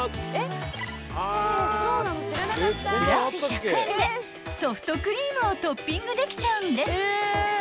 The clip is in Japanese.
［プラス１００円でソフトクリームをトッピングできちゃうんです］